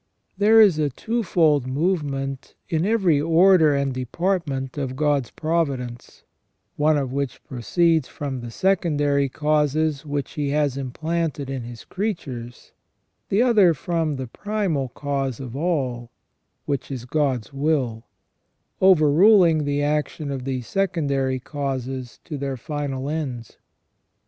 There is a twofold movement in every order and department of God's providence, one of which proceeds from the secondary causes which He has implanted in His creatures, the other from the primal cause of all, which is God's will, over ruling the action of these secondary causes to their final ends.